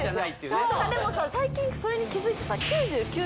そうでもさ最近それに気づいてさある